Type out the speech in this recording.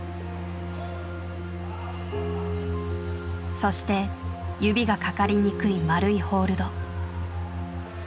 そして指がかかりにくい丸いホールド。